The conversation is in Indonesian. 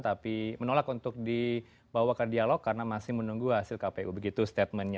tapi menolak untuk dibawa ke dialog karena masih menunggu hasil kpu begitu statementnya